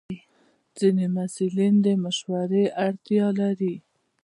ځینې محصلین د مشورې اړتیا لري.